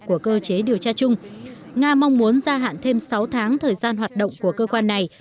của cơ chế điều tra chung nga mong muốn gia hạn thêm sáu tháng thời gian hoạt động của cơ quan này